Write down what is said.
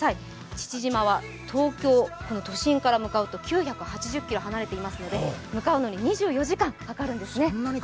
父島は東京都心から向かうと９８０ｋｍ離れているので向かうのに２４時間かかるんですね。